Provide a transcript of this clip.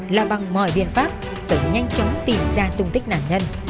là bằng mọi biện pháp phải nhanh chóng tìm ra tung tích nạn nhân